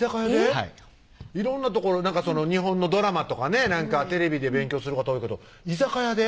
はい色んな所日本のドラマとかねテレビで勉強する方多いけど居酒屋で？